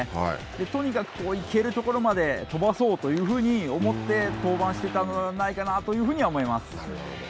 とにかく行けるところまで飛ばそうというふうに思って登板していたんではないかなと思います。